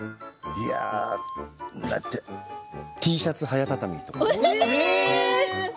いやあＴシャツの早畳みとか。